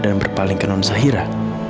dan berpaling ke non zahira